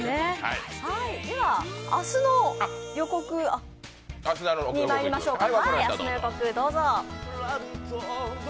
では、明日の予告にまいりましょうか。